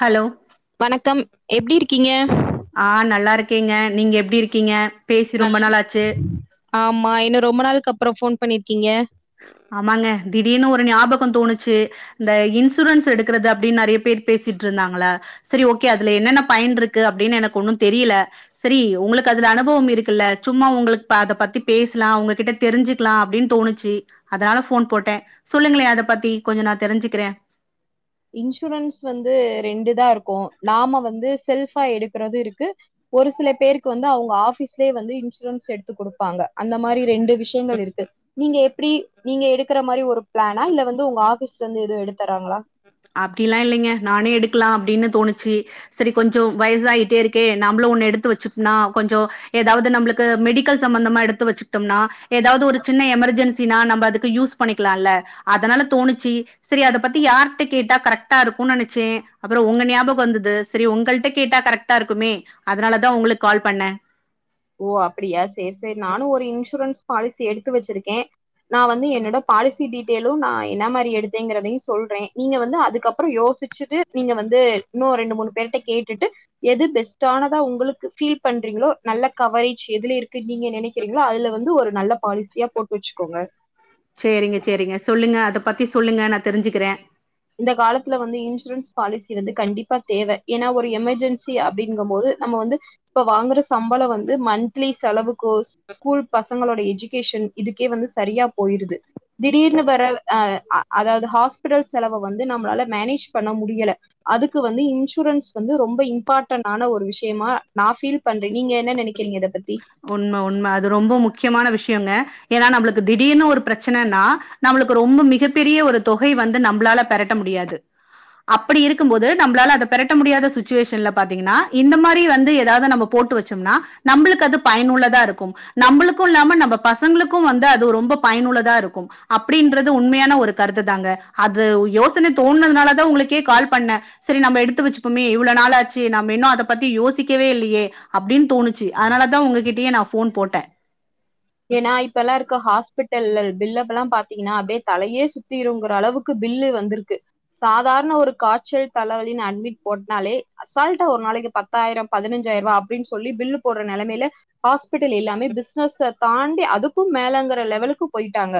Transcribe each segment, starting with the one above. Hello. வணக்கம் எப்படி இருக்கீங்க ஆஹ் நல்லா இருக்கேங்க நீங்க எப்படி இருக்கீங்க பேசி ரொம்ப நாள் ஆச்சு. ஆமா இன்னும் ரொம்ப நாளைக்கு அப்புறம் போன் பண்ணிருக்கீங்க ஆமாங்க திடீர் னு ஒரு ஞாபகம் தோணுச்சு இந்த இன்சூரன்ஸ் எடுக்கிறது அப்படின்னு நறையபேர் பேசிட்டு இருந்தாங்களா சரி ஓகே அதுல என்னென்ன பயன் இருக்கு அப்படின்னு எனக்கு ஒன்னும் தெரியல சரி உங்களுக்கு அதுல அனுபவம் இருக்குல்ல சும்மா உங்களுக்கு அத பத்தி பேசலாம் உங்ககிட்ட தெரிஞ்சுக்கலாம் அப்படின்னு தோணுச்சு அதனால போன் போட்டேன் சொல்லுங்களேன் அத பத்தி கொஞ்சம் நான் தெரிஞ்சுக்கிறேன் இன்சூரன்ஸ் வந்து ரெண்டு இத இருக்கும் நாம வந்து செல்பா எடுக்கறது இருக்கு ஒரு சில பேருக்கு வந்து அவங்க ஆபீஸ்லயே வந்து இன்சூரன்ஸ் எடுத்து கொடுப்பாங்க அந்த மாதிரி ரெண்டு விஷயங்கள் இருக்கு நீங்க எப்படி நீங்க எடுக்கற மாதிரி ஒரு பிளானா இல்ல வந்து உங்க ஆபீஸ்ல இருந்து எதவும் எடுடுத்தறாங்களா அப்படிலாம் இல்லைங்க நானே எடுக்கலாம் அப்படின்னு தோணுச்சு சரி கொஞ்சம் வயசாயிட்டே இருக்கே நம்மளும் ஒண்ணு எடுத்து வச்சுோம்னா கொஞ்சம் ஏதாவது நம்மளுக்கு மெடிக்கல் சம்பந்தமா எடுத்து வச்சுட்டோம்னா ஏதாவது ஒரு சின்ன எமர்ஜென்சினா நம்ம அதுக்கு யூஸ் பண்ணிக்கலாம்ல்ல அதனால தோணுச்சு சரி அதை பத்தி யார் கேட்டா கரெக்டா இருக்கும்னு நினைச்சேன் அப்புறம் உங்க ஞாபம் வந்தது சரி உங்கள்கிட்ட கேட்டா கரெக்டா இருக்குமே அதனால தான் உங்களுக்கு கால் பண்னேன் ஓ அப்படியா சேரி சேரி நானும் ஒரு இன்சூரன்ஸ் பாலிசி எடுத்து வச்சிருக்கேன் நான் வந்து என்னோட பாலிசி டீட்டெயலும் நான் என்ன மாதிரி எடுத்தேங்கறதையும் சொல்றேன் நீங்க வந்து அதுக்கப்புறம் யோசிச்சுட்டு நீங்க வந்து இன்னும் ரெண்டு மூணு பேருட்ட கேட்டுட்டு எது பெஸ்ட்டானதா உங்களுக்கு பீல் பண்றீங்களோ நல்ல கவரேஜ் எதுல இருக்கு நீங்க நினைக்கிறீங்களோ அதுல வந்து ஒரு நல்ல பாலிசியா போட்டு வச்சுக்கோங்க செரிங்க செரிங்க சொல்லுங்க அத பத்தி சொல்லுங்க நான் தெரிஞ்சுக்கிறேன் இந்த காலத்துல வந்து இன்சூரன்ஸ் பாலிசி வந்து கண்டிப்பா தேவை ஏன்னா ஒரு எமெர்ஜென்சி அப்டிங்கும் போது நம்ம வந்து இப்ப வாங்குற சம்பளம் வந்து மந்த்லி செலவுக்கோ ஸ்கூல் பசங்களோட எஜுகேஷன் இதுக்கே வந்து சரியா போயிருது திடீர்னு பாரு ஆஹ அதாவது ஹாஸ்பிடல்ஸ் செலவை வந்து நம்மால மேனேஜ் பண்ண முடியல அதுக்கு வந்து இன்சூரன்ஸ் வந்து ரொம்ப இம்பார்டனான ஒரு விஷயமா நான் பீல் பண்றேன் நீங்க என்ன நினைக்க உண்மை உண்மை அது ரொம்ப முக்கியமான விஷயம் க்கியம்ங்க ஏன்னா நம்பளுக்கு திடீர்னு ஒரு பிரச்சனனா நம்மளுக்கு ரொம்ப மிகப்பெரிய ஒரு தொகை வந்து நம்பளால பெரட்ட முடியாது. அப்படி இருக்கும்போது நம்பளால அத பெரட்ட முடியாத சுச்சுவேஷன்ல பாத்தீங்கன்னா இந்த மாரி வந்து எதாவது நம்ம போட்டு வச்சோம்னா நம்பளு க்கு அது பயனுள்ளதா இருக்கும். நம்பளுக்கு இல்லாம நம்ப பசங்களுக்கு வந்து அது ரொம்ப பயனுள்ளதா இருக்கு அப்படின்றது உண்மையான ஒரு கருத்துதாங்க. அது யோசன தோணுனதுனாலதா உங்களுக்கே கால் பண்ணே சரி நம்ம எடுத்து வச்சுப்பமே இ்வ்ளோ நாளாச்சு நம்ம இன்னு அத பத்தி யோசிக்கவே இல்லயே அப்டின்னு தோணுச்சு அதனாலதா உங்ககிட்டயே நா ஃபோன் போட்டே ஏன்னா இப்ப எல்லா இருக்க ஹாஸ்பிட்டல்ல பில்லுகள்லா பாத்தீங்கன்னா அப்டியே தலையே சுத்திருங்கற அளவுக்கு பில்லு வந்திருக்கு. சாதாரண ஒரு காச்சல் தலவலின்னு அட்மிட் போட்னாலே அசால்ட்டா ஒரு நாளைக்கி பத்தாயிரோ பதினஞ்சாயர்ருவா அப்டின்னு சொல்லி பில்லு போடுற நெலமையில ஹாஸ்பிட்டல் எல்லாமே பிசினஸ தாண்டி அதுக்கும் மேலங்கற லெவலுக்கு போயிட்டாங்க.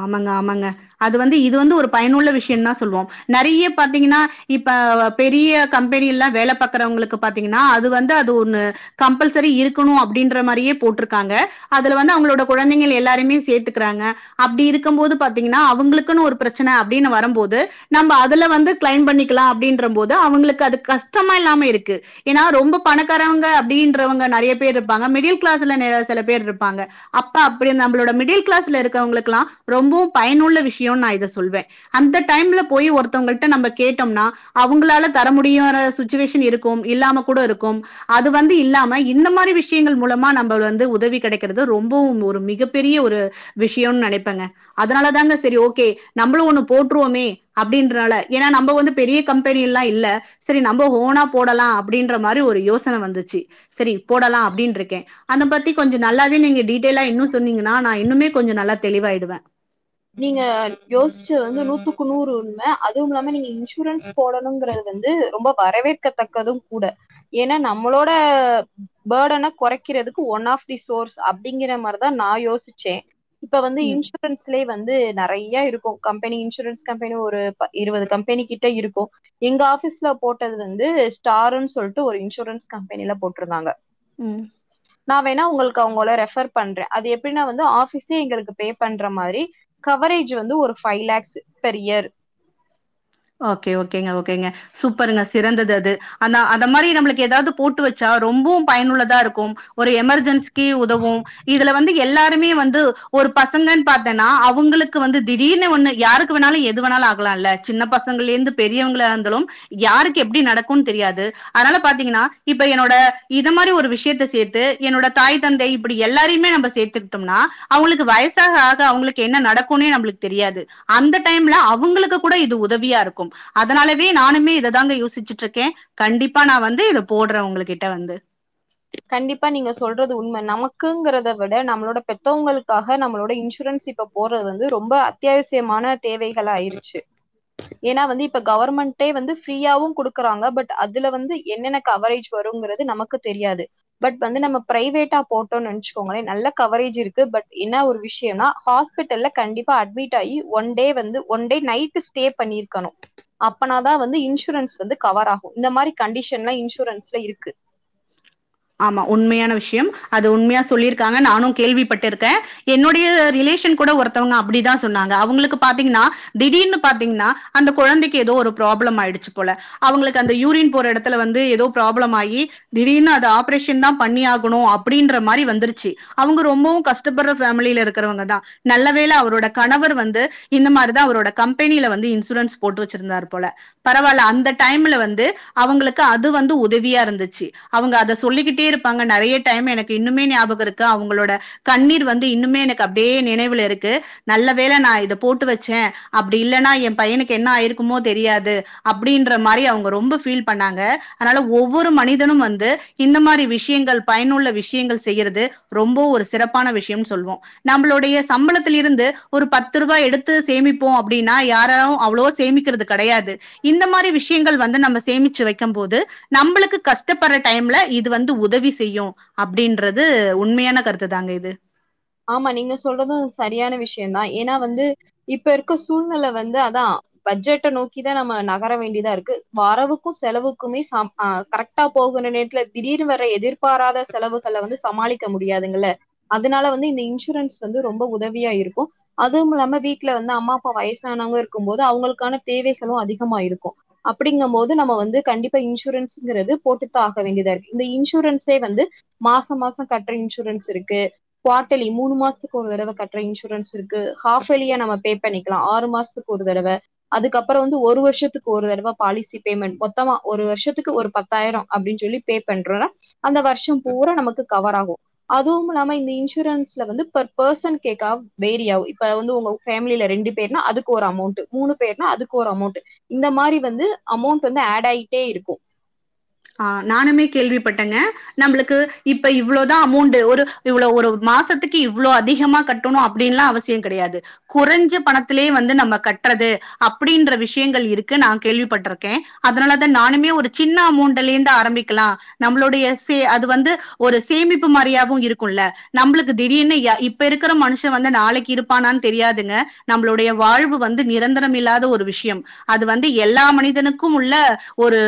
ஆமாங்க ஆமாங்க. அது வந்து இது வந்து ஒரு பயனுள்ள விஷயந்தா சொல்வோ நெறைய பாத்தீங்கன்னா இப்ப பெரிய கம்பெனி எல்லா வேல பாக்கறவங்களுக்கு பாத்தீங்கன்னா அது வந்து அது ஒண்ணு கம்பல்சரி இருக்கணு அப்டின்ற மாரியே போட்ருக்காங்க. அதுல வந்து அவங்களோட குழந்தைகள் எல்லாருமே சேத்துக்கறாங்க அப்டி இருக்கும் போது பாத்தீங்கன்னா அவங்களுக்குன்னு ஒரு பிரச்சன அப்டின்னு வரம்போது நம்ம அதுல வந்து கிளைம் பண்ணிக்கலா அப்டின்றம் போது அவங்களுக்கு அது கஷ்டமா இல்லாம இருக்கு. ஏன்னா ரொம்ப பணக்காரவங்க அப்டின்றவங்க நெறைய பேர் இருப்பாங்க மிடில் கிளாஸ்ல நெ சில பேர் இருப்பாங்க. அப்ப அப்படி நம்பளோட மிடில் கிளாஸ்ல இருக்கவங்களு க்லா ரொம்பவு பயனுள்ள விஷயோன்னு நா இத சொல்வே. அந்த டைம்ல போய் ஒருத்தவுங்கள்ட்ட நம்ம கேட்டோம்னா அவங்களால தர முடியார சுச்சுவேஷன் இருக்கும் இல்லாம கூட இருக்கும் அது வந்து இல்லாம இந்த மாரி விஷயங்கள் மூலமா நம்பள் வந்து உதவி கெடைக்கிறது ரொம்பவு ஒரு மிகப்பெரிய ஒரு விஷயோன்னு நெனை ப்பங்க அதனாலதாங்க செரி ஓகே நம்மளு ஒண்ணு போட்ருவோமே அப்டின்றனால ஏன்னா நம்ம வந்து பெரிய கம்பெனி எல்லா இல்ல செரி ந ம்ப ஓனா போடலா அப்படின்ற மாரி ஒரு யோச ன வந்துச்சு சரி போடலா அப்டின்ருக்கே அத பத்தி கொஞ்சொ நல்லாவே நீங்க டீடெய்லா இன்னு சொன்னீங்கன்னா நா இன்னுமே கொஞ்ச நல்லா தெளிவாயிடுவே நீங்க யோசிச்சது வந்து நூத்துக்கு நூறு உண்ம அதுவும் இல்லாம நீங்க இன்சூரன்ஸ் போடணுங்கிறது வந்து ரொம்ப வரவேற்கத்தக்கதுங் கூட ஏன்னா நம்மளோட ப் பர்டன கொறைக்கிறதுக்கு ஒன் ஆஃப் தி சோர்ஸ் அப்டிங்கிற மாரிதா நா யோசிச்சே. இப்ப வந்து ம் இன்சூரன்ஸ் வந்து நெறைய இருக்கு கம்பெனி இன்சூரன்ஸ் கம்பெனி ஒரு ப இருபது கம்பெனி கிட்ட இருக்கு. எங்க ஆஃபீஸ்ல போட்டது வந்து ஸ்டாருன்னு சொல்ட்டு ஒரு இன்சூரன்ஸ் கம்பெனில போட்ருந்தாங்க. ம் நா வேண்ணா உங்களுக்கு அவங்கள ரெஃபர் பண்றே. அது எப்பிடினா வந்து ஆஃபீஸே எங்களுக்கு பே பண்ற மா ரி கவரேஜ் வந்து ஒரு five lakhs per year okay ஓகேங்க ஓகேங்க சூப்பருங்க சிறந்தது அது. அந்த அந்த மாரி நம்மளுக்கு எதாவது போட்டு வச்சா ரொம்பவு பயனுள்ளதா இருக்கும். ஒரு எமர்ஜென்சிக்கு உதவு இதுல வந்து எல்லாருமே வந் து ஒரு பசங்கன்னு பாத்தேன்னா அவங்களுக்கு வந்து திடீர்னு ஒண்ணு யாருக்கு வேண்ணாலு எது வேண்ணாலு ஆகலா இல்ல சின்னப் ப சங்கள்ல இருந்து பெரியவங்களா இருந்தாலு யாருக்கு எப்டி நடக்குன் தெரியாது. அதனால பாத்தீங்கன்னா இப்ப என்னோட இது மாரி ஒரு விஷயத்த சேத்து என்னோட தாய் தந்தை இப்பிடி எல்லாருயுமே நம்ப சேத்துக்கிட்டோம்னா அவங்களுக்கு வயசாக ஆக அவங்களுக்கு என்ன நடக்குன்னே நம்பளுக்கு தெரியாது. அந்த டைம்ல அவங்களுக்கு கூட இது உதவியா இருக்கும். அதனாலவே நானுமே இததாங்க யோசிச்சுட்ருக்கே. கண்டிப்பா நா வந்து இத போடுறே உங்களுகிட்ட வந்து. கண்டிப்பா நீங்க சொல்றது உண்ம. நமக்குங்கிறத விட நம்மளோட பெத்தவங்களுக்காக நம்மளோட இன்சூரன்ஸ் இப்ப போடறது வந்து ரொம்ப அத்தியாவசியமான தேவைகளா ஆயிருச்சு. ஏன்னா வந்து இப்ப கவர்மெண்ட்டே வந்து ஃப்ரீயாவு குடுக்குறாங்க. பட் அதுல வந்து என்னென்ன கவரேஜ் வருங்கறது நமக்கு தெரியாது. பட் வந்து நம்ம ப்ரைவேட்டா போட்டோன்னு நெனைச்சுக்கோங்களே நல்ல கவரேஜ் இருக்கு. பட் என்ன ஒரு விஷயம்னா ஹாஸ்பிட்டல்ல கண்டிப்பா அட்மிட் ஆகி ஒன் டே வந்து ஒன் டே நைட்டு ஸ்டே பண்ணிருக்கணு. அப்பனாதா வந்து இன்சூரன்ஸ் வந்து கவர் ஆகு. இந்த மாரி கண்டிஷன்லா இன்சூரன்ஸ்ல இருக்கு. ஆமா உண்மையான விஷயம். அது உண்மையா சொல்லிருக்காங்க நானு கேள்விப்பட்டிருக்கே. என்னுடைய ரிலேஷன் கூட ஒருத்தவங்க அப்டிதா சொன்னாங்க. அவங்களுக்கு பாத்தீங்கன்னா திடீர்னு பாத்தீங்ன்னா அந்த கொழந்தைக்கி எதோ ஒரு ப்ராப்ளம் ஆயிடுச்சு போல அவங்களுக்கு அந்த யூரின் போற எடத் துல வந்து எதோ ப்ராப்ளம் ஆகி திடீர்னு அது ஆ ப்ரேஷன்தா பண்ணியாகனு அப்படின்ற மாரி வந்துருச்சு. அவங்க ரொம்பவு கஷ்டப்படுற ஃபேமிலில இருக்கிறவங்கதா. நல்லவேள அவரோட கணவர் வந்து இந்த மாரிதா அவரோட கம்பெனில வந்து இன்சூரன்ஸ் போட்டு வச்சிருந்தாரு போல பரவால்ல அந்த டைம்ல வந்து அவுங்களுக்கு அது வந்து உதவியா இருந்துச்சு. அவுங்க அத சொல்லிக்கிட்டே இருப்பாங்க நெறைய டைம் எனக்கு இன்னுமே ஞாபகோ இருக்கு அவங்களோட கண்ணீர் வந்து இன்னுமே எனக்கு அப்டியே நினைவுல இருக்கு. நல்ல வேள நா இத போட்டு வச்சே அப்டி இல்லன்னா என் பையனுக்கு என்ன ஆயிருக்குமோ தெரியாது அப்டின்ற மாரி அவங்க ரொம்ப ஃபீல் பண்ணாங்க. அதனால ஒவ்வொரு மனிதனும் வந்து இந்த மாரி விஷயங்கள் பயனுள்ள விஷயங்கள் செய்யறது ரொம்ப ஒரு சிறப்பான விஷயம்னு சொல்வோ. நம்பளுடைய சம்பளத்தில் இருந்து ஒரு பத்து ரூபா எடுத்து சேமிப்போ அப்டின்னா யாரு அவ்ளவா சேமிக்கிறது கெடையாது. இந்த மாரி விஷயங்கள் வந்து நம்ம சேமிச்சு வைக்கும் போது நம்பளுக்கு கஷ்டப்படுற டைம்ல இது வந்து உதவி செய்யு அப்டின்றது உண்மையான கருத்துதாங்க இது ஆமா நீங்க சொல்றது சரியான விஷயந்தா ஏன்னா வந்து இப்ப இருக்க சூழ்நெல வந்து அதா பட்ஜெட்ட நோக்கிதா நம்ம நகர வேண்டியதா இருக்கு. வரவுக்கு செலவுக்குமே சம் ஆ கரெக்டா போகற நேரத்துல திடீர்னு வர எதிர்பாராத செலவுகள வந்து சமாளிக்க முடியாதுங்கல்ல அதனால வந்து இந்த இன்சூரன்ஸ் வந்து ரொம்ப உதவியா இருக்கு. அதுவும் இல்லாம வீட்ல வந்து அம்மா அப்பா வயசானவங்க இருக்கும்போது அவங்களுக்கான தேவைகளு அதிகமா இருக்கு அப்படிங்கும் போது நம்ம வந்து கண்டிப்பா இன்சூரன்ஸுங்கறது போட்டுத்தா ஆக வேண்டியதா இருக்கு. இந்த இன்சூரன்ஸே வந்து மாச மாச கட்ற இன்சூரன்ஸ் இருக்கு குவாட்டலி மூணு மாசத்துக்கு ஒரு தடவ கட்ற இன்சூரன்ஸ் இருக்கு ஹாஃப் ஏலியா நம்ம பே பண்ணிக்கலா ஆறு மாசத்துக்கு ஒரு தடவ அதுக்கப்புற வந்து ஒரு வருஷத்துக்கு ஒரு தடவ பாலிசி பேமெண்ட் மொத்தமா ஒரு வருஷத்துக்கு ஒரு பத்தாயிரோ அப்டின்னு சொல்லி பே பண்றோனா அந்த வருஷம் பூரா நமக்கு கவர் ஆகு அதுவும் இல்லாம இந்த இன் சூரன்ஸ்ல வந்து பர் பெர்சன்க்கேக்கா வேரி ஆவு. இப்ப வந்து உங்க ஃபேமிலில ரெண்டு பேருனா அதுக்கு ஒரு அமௌண்ட்டு மூணு பேருனா அதுக்கு ஒரு அமௌண்ட்டு இந்த மாரி வந்து அமௌண்ட் வந்து ஆட் ஆயிட்டே இருக்கு ஆ நானுமே கேள்விப்பட்டங்க நம்புளுக்கு இப்ப இவ்ளோ தா அமௌண்டு ஒரு இவ்ளோ ஒரு மாசத்துக்கு இவ்ளோ அதிகமா கட்டணோ அப்டின்லா அவசிய கெடையாது குறைஞ்சு பணத்திலே வந்து நம்ம கட்றது அப்டின்ற விஷயங்கள் இருக்கு நா கேள்விப்பட்டிருக்கே அதனால தா நானுமே ஒரு சின்ன அமௌண்ட் முதலேருந்து ஆரம்பிக்லா நம்ளுடைய சே அது வந்து ஒரு சேமிப்பு மாரியாவு இருக்குல நம்ளுக்கு திடீர்னு யா இப்பருக்கற மனுஷா வந்து நாளைக்கு இருப்பானனு தெரியாதுங்க நம்ளுடைய வாழ்வு வந்து நிரந்தரம் இல்லாத ஒரு விஷ்யம் அது வந்து எல்லா மனிதனுக்கும் உள்ள ஒரு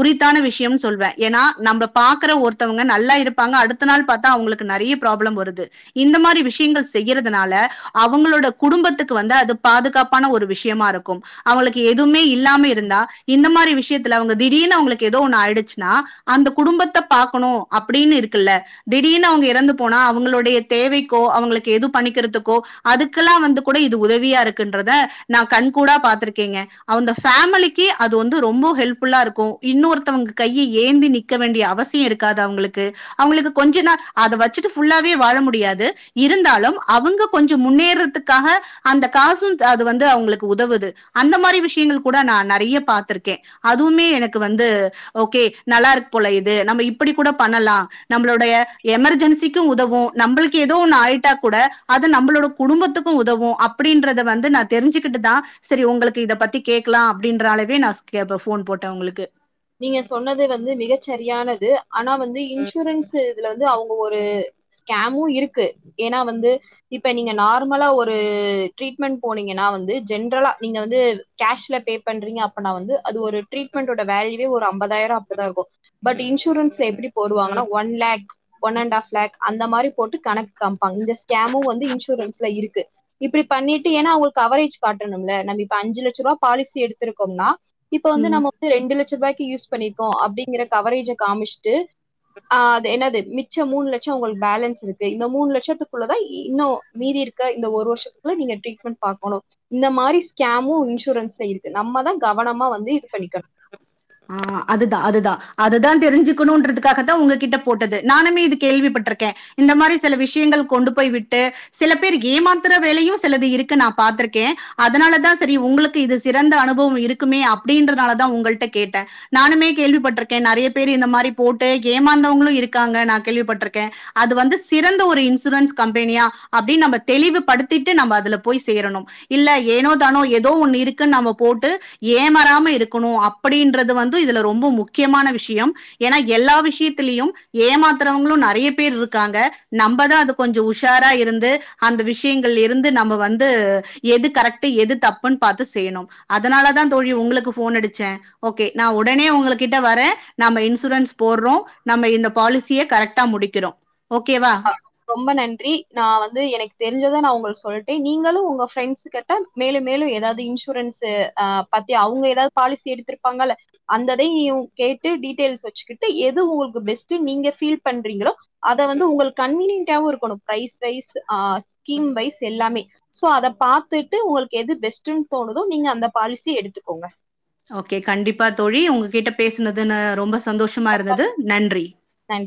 உரித் தான விஷ்யம்னு சொல்வ ஏனா நம்ள பாக்கற ஒருத்தவங்க நல்லா இருப்பாங்க அடுத்த நாள் பாத்தா அவ்ளுக்கு நறிய ப்ராப்ளம் வருது இந்த மாரி விஷ்யங்கள் செய்யறதுனால அவுங்களோட குடும்பத்துக்கு வந்து அது பாதுகாப்பான ஒரு விஷ்யமாருக்கும் அவளுக் எதுமே இல்லாம இருந்தா இந்த மாரி விஷ் விஷயத்துல அவ்ங்க திடீர்னு அவ்ங்ளுக் கெதோ ஒன்னு ஆய்டுச்சினா அந்த குடும்பத்த பாக்கணு அப்டின்னு இருக்குல திடீர்னு அவுங்க எறந்து போனா அவுங்களுடைய தேவைக்கோ அவுங்களுக்கு எது பண்ணிக்கறதுகோ அதுக்கெல்ல வந்து கூட இது உதவியா இருக்குன்றத நா கண் கூடா பாத்திருக்கெங்க அவுந்த ஃபேமிலிக்கி அது வந்து ரொம்ப ஹெல்ப் ஃபுல்லா இருக்கு இன்னொருத்தவங்க கையி ஏந்தி நிக்க வேண்டிய அவசியோ இருக்காது அவுங்ளுக்கு அவுங்ளுக்கு கொஞ்சு நா அத வச்சுட்டு ஃபுல்லாவே வாழ முடியாது இருந்தாலும் அவுங்க கொஞ்சோ முன்னேறதுக்காக அந்த காசும் தா அது வந்து அவுங்ளுக்கு உதவுது அந்த மாரி விஷ்யங்கள் கூட நா நறைய பாத்திருக்கே அதுவுமே எனக் க்கு வந்து ஓகே நல்லாருக்கு போல இது நம்ம இப்டி கூடோ பண்ணலா நம்ளுடைய எமர்ஜென்சிக்கு உதவும் நம்பிளிகி எதோ ஒன்னு ஆய்டா கூட அது நம்பளோட குடும்பத்துக்கும் உதவும் அப்டின்றத வந்து நா தெரிஞ்சிகிட்டு தா செரி உங்களுக்கு இத பத்தி கேக்லா அப்டின்ற அழகு நா சொ இப்ப ஃபோன் போட்ட உங்ளுக்கு நீங்க சொன்னது வந்து மிக செரியானது ஆனா வந் இது இன்சூரன்ஸு இதுல வந்து அவுங்க ஒரு ஸ்கேமு இருக்கு ஏனா வந்து இப்ப நீங்க நார்மலா ஒரு ட்ரீட்மென்ட் போனீங்கனா வந்து ஜென்ரலா நீங்க வந்து கேஷ்ல பே பண்றீங்க அப்பனா வந்து அது ஒரு ட்ரீட்மென்டோட வேல்யூ எப்டியு ஒரு அம்பதாயிரோ அப்டி தா இருக்கும் பட் இன்சூரன்ஸ் எப்டி போடுவாங்கனா one lakh one and half lakh அந்த மாரி போட்டு கணக் காம்ப் ஃபங்கஸ் ஸ்கேமு வந்து இன்சூரன்ஸ்ல இருக் கு இப்டி பண்ணிட்டு ஏனா அவுங்ளுக்கு கவரேஜ் காட்டணும்ல நம்ம இப்ப அஞ்சு லட்ச ரூபா பாலிசி எடுத்திருக்கோம்னா இப்ப வந்து ம் நமக்கு ரெண்டு லட் லட்ச ரூபாய்க்கி யூஸ் பண்ணிருக்கோ அப்டிங்ற கவரேஜ காமிச்ட்டு ஆ அது என்னது மிச்சோ மூணு லட்சோ உங்ளுக் பேலன்ஸ் இருக்கு இந்த மூணு லட்சத்துக்குள்ள தா இ இன்னும் மீதி இருக்க இந்த ஒரு வருஷத்துக்கு நீங்க ட்ரீட்மென்ட் பாக்கணு இந்த மாரி ஸ்கேமு இன்சூரன்ஸ்ல இருக்கு நம்ம தா கவனமா வந்து இது பண்ணிக்கணு ஆ அதுதா அதுதா அதுதா தெரிஞ்சுக்குணுன்றதுக்காக தா உங்ககிட்ட போட்டது நானுமே இது கேள்விப்பட்டிருக்க இந்த மாரி சில விஷ்யங்கள் கொண்டு போய் விட்டு சில பேர் ஏமாத்துற வேலயு சிலது இருக்கு நா பாத்திருக்க அதனால தா சரி உங்ளுக்கு இது சிறந்த அனுபவம் இருக்குமே அப்டின்றதுனால தா உங்கள்ட கேட்ட நானுமே கேள்விப்பட்டிருக்க நறைய பேர் இந்த மாரி போட்டு ஏமாந்தவங்களு இருக்காங்க நா கேள்விப்பட்டிருக்க அது வந்து சிறந்த ஒரு இன்சூரன்ஸ் கம்பெனியா அப்டின் நம்ம தெளிவுபடுத்திட்டு நம்ம அதுல போய் சேரணு இல்ல ஏனோ தானோ ஏதோ ஒன்னு இருக்கு நாம போட்டு ஏமாறாம இருக்குணு அப் அப்டின்றது வந்து இதுல ரொம்ப முக்கியமான விஷ்யம் ஏனா எல்லா விஷ்யத்திலியு ஏமாத்தறவங்ளு நறைய பேர் இருக்காங்க நம்ப தா அது கொஞ்சோ உஷாரா இருந்து அந்த விஷ்யங்கள்ல இருந்து நம்ப வந்து எது கரெக்ட் எது தப்புன்னு பாத்து செய்ணு அதனால தா தோழி உங்ளுக்கு ஃபோன் அடிச்ச ஓகே நா ஒடனே உங்களுகிட்ட வர நாம இன்சூரன்ஸ் போடுறோ நம்ம இந்த பாலிசிய கரெக்டா முடிக்கிறோ ம் ஆ ரொம்ப நன் றி நா வந்து எனக்கு தெரிஞ்சத நா உங்ளுக் சொல்டே நீங்களு உங்க ஃரெண்ட்ஸ் கிட்ட மேலு மேலு ஏதாது இன்சூரன்ஸு ஆ பத்தி அவ்ங்க ஏதாது பாலிசி எடுத்திருப்பாங்கல்ல அந்ததையு கேட்டு டீட்டெயல்ஸ் வச்சுக்கிட்டு எது உங்ளுக்கு பெஸ்ட்டு நீங்க ஃபீல் பண்றீங்களோ அத வந்து உங்களுக்கு கன்வீனியன்டாவு இருக்கணு பைஸ் வைஸ் ஆ ஸ்கீம் வைஸ் எல்லாமே சோ அத பாத்துட்டு உங்ளுக்கு எது பெஸ்டுனு தோணுதோ நீங்க அந்த பாலிசி எடுத்துக்கோங்க ஓகே கண்டிப்பா தோழி உங்ககிட்ட பேசுனதுனு ரொம்ப சந்தோஷமாக இருந்தது நன்றி நன்றி